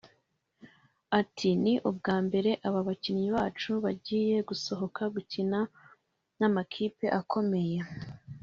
Ati “Ni ubwa mbere aba bakinnyi bacu bagiye gusohoka gukina n’amakipe akomeye